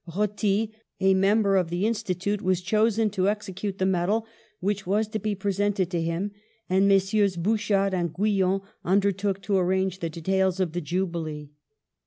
'' Roty, a member of the Institute, was chosen to execute the medal which was to be presented to him, and Messrs. Bouchard and Guyon un dertook to arrange the details of the Jubilee.